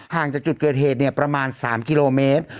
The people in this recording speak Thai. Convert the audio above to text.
ห่างจากจุดเกิดเหตุประมาณ๓กิโลเมตร